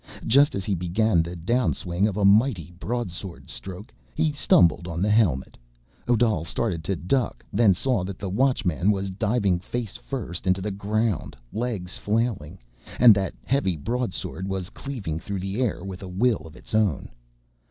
Just as he began the downswing of a mighty broadsword stroke, he stumbled on the helmet. Odal started to duck, then saw that the Watchman was diving face first into the ground, legs flailing, and that heavy broadsword was cleaving through the air with a will of its own.